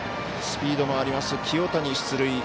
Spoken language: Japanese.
スピードもあります清谷、出塁。